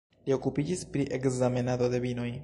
Li okupiĝis pri ekzamenado de vinoj.